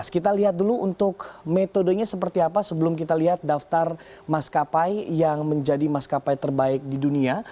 kita lihat dulu untuk metodenya seperti apa sebelum kita lihat daftar maskapai yang menjadi maskapai terbaik di dunia